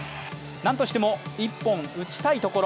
なんとしても１本打ちたいところ。